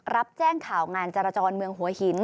รับแจ้งข่าวงานจรจรเมืองหัวหิน